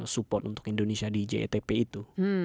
support untuk indonesia di jtp itu